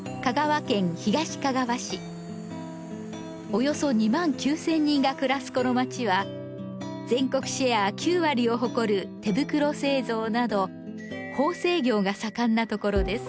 およそ２万９０００人が暮らすこの町は全国シェア９割を誇る手袋製造など縫製業が盛んなところです。